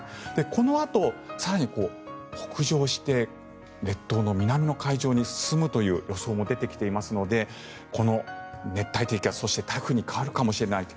このあと、更に北上して列島の南の海上に進むという予想も出てきていますのでこの熱帯低気圧台風に変わるかもしれないと。